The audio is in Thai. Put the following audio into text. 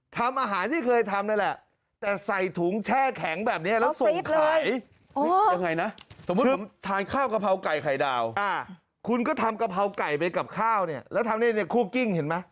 ถุงศูนย์อากาศซะแล้วฟรี๊ส